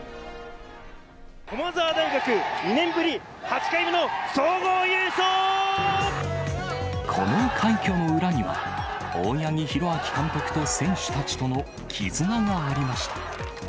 駒澤大学、２年ぶり８回目のこの快挙の裏には、大八木弘明監督と選手たちとの絆がありました。